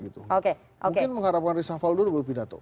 mungkin mengharapkan risa faldo dulu pidato